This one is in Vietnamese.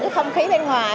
được không khí bên ngoài